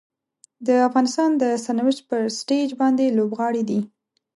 د افغانستان د سرنوشت پر سټیج باندې لوبغاړي دي.